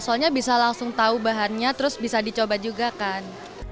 soalnya bisa langsung tahu bahannya terus bisa dicoba juga kan